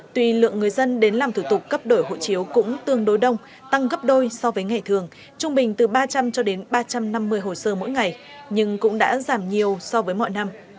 tuy lượng người dân đến làm thủ tục cấp đổi hộ chiếu cũng tương đối đông tăng gấp đôi so với ngày thường trung bình từ ba trăm linh cho đến ba trăm năm mươi hồ sơ mỗi ngày nhưng cũng đã giảm nhiều so với mọi năm